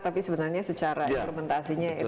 tapi sebenarnya secara implementasinya